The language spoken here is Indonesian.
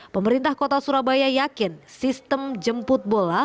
pemerintah kota surabaya yakin sistem jemput bola